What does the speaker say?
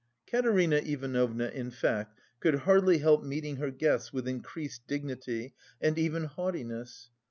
Katerina Ivanovna, in fact, could hardly help meeting her guests with increased dignity, and even haughtiness.